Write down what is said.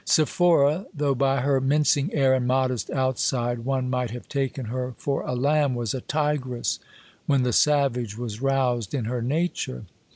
Sephora, though by her mincing air and modest outside one might have taken her for a lamb, was a tigress when the savage was roused in her nature.